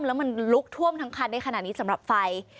แล้วมันลุกท่วมทั้งคันได้ขนาดนี้สำหรับไฟ